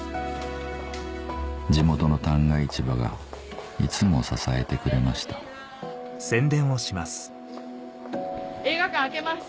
地元の旦過市場がいつも支えてくれました映画館開けます